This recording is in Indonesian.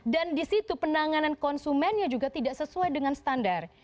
dan di situ penanganan konsumennya juga tidak sesuai dengan standar